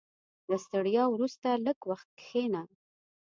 • له ستړیا وروسته، لږ وخت کښېنه.